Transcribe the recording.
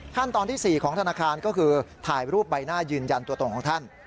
ขั้นตอนที่๔ของธนาคารก็คือถ่ายรูปใบหน้ายืนยันตัวตนของท่าน